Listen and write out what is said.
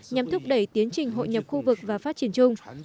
nhằm thúc đẩy tiến trình hội nhập khu vực và phát triển chung